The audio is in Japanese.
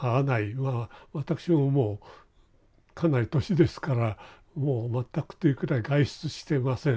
まあ私ももうかなり年ですからもう全くというくらい外出してません。